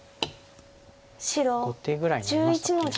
５手ぐらいになりましたか。